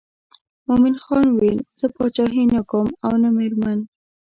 مومن خان ویل زه پاچهي نه کوم او نه مېرمن.